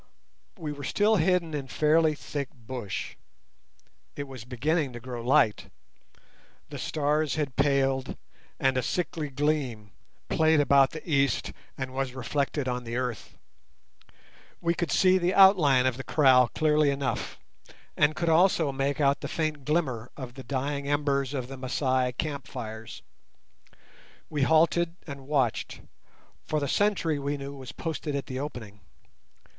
We were still hidden in fairly thick bush. It was beginning to grow light. The stars had paled and a sickly gleam played about the east and was reflected on the earth. We could see the outline of the kraal clearly enough, and could also make out the faint glimmer of the dying embers of the Masai camp fires. We halted and watched, for the sentry we knew was posted at the opening.